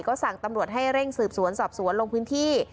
ก็สั่งตำรวจให้เร่งสืบสวนสอบสวนลงพื้นที่